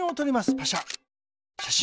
パシャ。